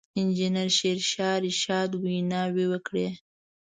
انجنیر شېرشاه رشاد ویناوې وکړې.